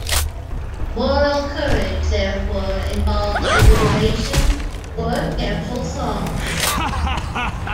Moral courage therefore involves deliberation or careful thought.